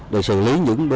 để xử lý những vấn đề